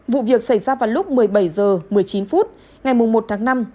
vụ việc xảy ra vào lúc một mươi bảy h một mươi chín phút ngày một tháng năm